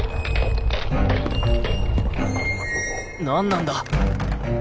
何なんだ！？